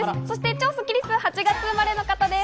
超スッキりす８月生まれの方です。